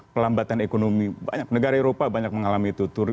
pelambatan ekonomi banyak negara eropa banyak mengalami itu